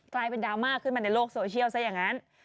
กลายเป็นดราม่าขึ้นมาในโลกโซเชียลซะอย่างนั้น